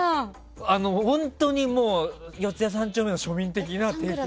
本当に四ツ谷３丁目の庶民的な定食屋。